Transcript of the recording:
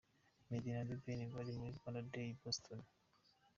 Meddy na The Ben bari muri Rwanda Day i Boston.